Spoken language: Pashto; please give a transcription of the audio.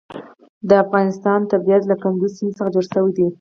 د افغانستان طبیعت له کندز سیند څخه جوړ شوی دی.